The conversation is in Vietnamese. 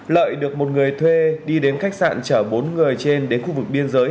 lợi được một người thuê đi đến khách sạn chở bốn người trên đến khu vực biên giới